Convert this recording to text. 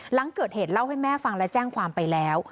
หลังเกิดเหตุเล่าให้แม่ฟังและแจ้งความไปแล้ว